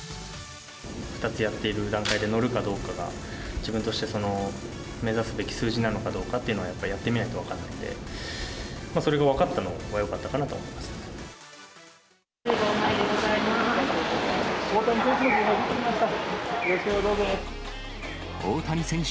２つやってる段階で、乗るかどうかが、自分としては、目指すべき数字なのかどうかっていうのはやっぱりやってみないと分からないんで、それが分かったのがよかったなと思いますけどね。